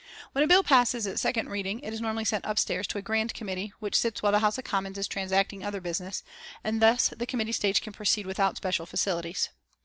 When a bill passes its second reading it is normally sent upstairs to a Grand Committee which sits while the House of Commons is transacting other business, and thus the committee stage can proceed without special facilities.